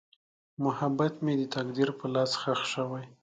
محبت مې د تقدیر په لاس ښخ شو.